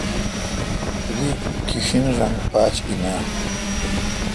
تو دی کیݭن رنگہ پاج این اؘ۔